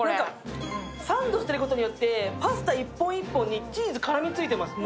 サンドしていることによってパスタ一本一本にもう絡みついてます。